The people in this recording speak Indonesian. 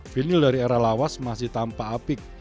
vinil dari era lawas masih tampak apik